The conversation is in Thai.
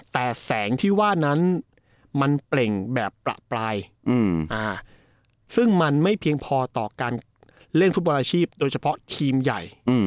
แต่แสงที่ว่านั้นมันเปล่งแบบประปรายซึ่งมันไม่เพียงพอต่อการเล่นฟุตบอลอาชีพโดยเฉพาะทีมใหญ่